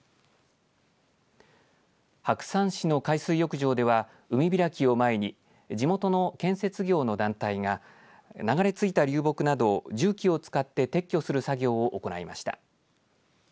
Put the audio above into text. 白山市の海水浴場では海開きを前に地元の建設業の団体が流れ着いた流木などを重機を使って撤去する作業を行いました。